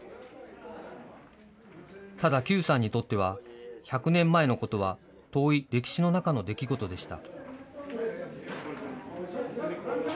ただ邱さんにとっては、１００年前のことは、遠い歴史の中の出来事でした。